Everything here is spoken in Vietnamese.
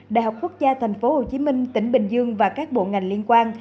đại học quốc gia thành phố hồ chí minh tỉnh bình dương và các bộ ngành liên quan